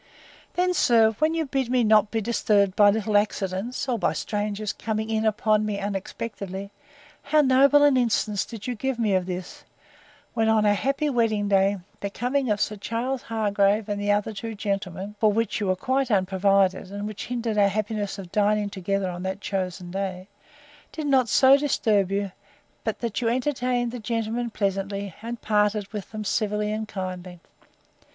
Then again, sir, when you bid me not be disturbed by little accidents, or by strangers coming in upon me unexpectedly, how noble an instance did you give me of this, when, on our happy wedding day, the coming of Sir Charles Hargrave, and the other two gentlemen, (for which you were quite unprovided, and which hindered our happiness of dining together on that chosen day,) did not so disturb you, but that you entertained the gentlemen pleasantly, and parted with them civilly and kindly!